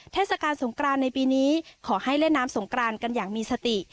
เทศกาลสงกรานในปีนี้ขอให้เล่นน้ำสงกรานกันอย่างมีสติ